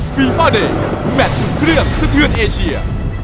ฟีฟ่าเดคแมทสุดเครื่องเชื้อเทือนเอเชีย